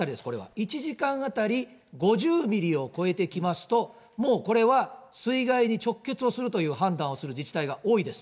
１時間当たり５０ミリを超えてきますと、もうこれは水害に直結をするという判断をする自治体が多いです。